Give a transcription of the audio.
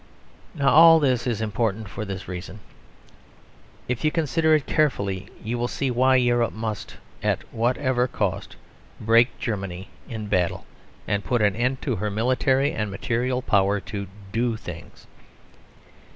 Now all this is important for this reason. If you consider it carefully you will see why Europe must, at whatever cost, break Germany in battle: and put an end to her military and material power to do things.